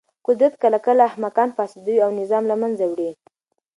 قدرت کله کله احمقان فاسدوي او نظام له منځه وړي.